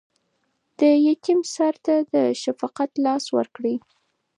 د یتیم سر ته د شفقت لاس ورکړئ.